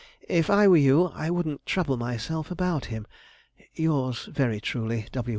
If I were you, I wouldn't trouble myself about him.' 'Yours very truly, 'W.